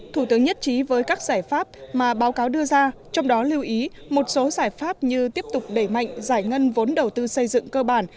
thủ tướng nhất trí với các giải pháp mà báo cáo đưa ra trong đó lưu ý một số giải pháp như tiếp tục đẩy mạnh giải ngân vốn đầu tư xây dựng cơ bản